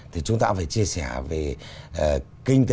thì chúng ta phải chia sẻ về kinh tế